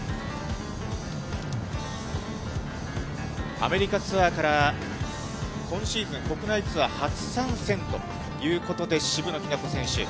アメリカツアーから今シーズン、国内ツアー初参戦ということで、渋野日向子選手。